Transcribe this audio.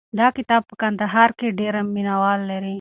دا کتاب په کندهار کې ډېر مینه وال لري.